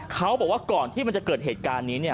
เขาบอกว่าก่อนที่มันจะเกิดเหตุการณ์นี้เนี่ย